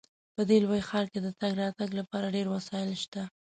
په دې لوی ښار کې د تګ راتګ لپاره ډیر وسایل شته